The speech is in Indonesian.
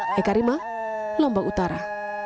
hei karima lombok utara